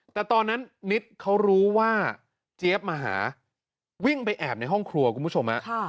แต่ตอนนั้นนิดเขารู้ว่าเจี๊ยบมาหาวิ่งไปแอบในห้องครัวคุณผู้ชมฮะ